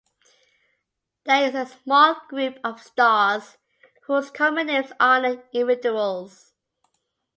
There is a small group of stars whose common names honour individuals.